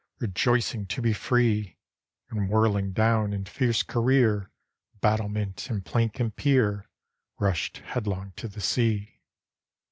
Rejoicing to be free. And whirling down, in fierce career. Battlement, and plank, and pier, Rushed headlong to the sea.